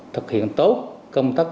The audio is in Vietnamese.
thực hiện tốt công tác